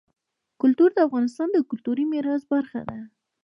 کلتور د افغانستان د کلتوري میراث برخه ده.